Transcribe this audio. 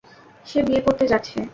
সে বিয়ে করতে যাচ্ছে।